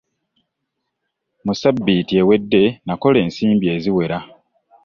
Mu ssabbiiti ewedde nakola ensimbi eziwera.